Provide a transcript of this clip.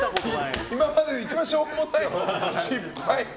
今までで一番しょうもない失敗。